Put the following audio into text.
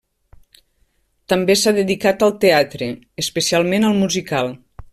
També s'ha dedicat al teatre, especialment al musical.